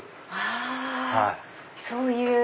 あそういう。